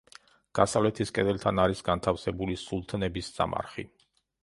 დასავლეთის კედელთან არის განთავსებული სულთნების სამარხი.